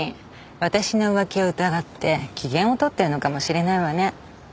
私の浮気を疑って機嫌を取ってるのかもしれないわね。